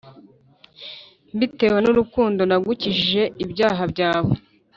Mbitewe n’urukundo nagukijije ibyaha byawe